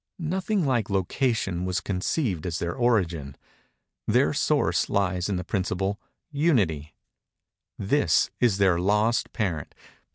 Nothing like location was conceived as their origin. Their source lies in the principle, Unity. This is their lost parent.